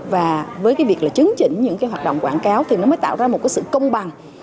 và với việc chứng chỉnh những hoạt động quảng cáo thì nó mới tạo ra một sự công bằng